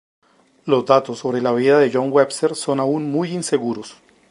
Los datos sobre la vida de John Webster son aún muy inseguros.